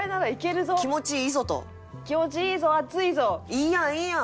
いいやんいいやん。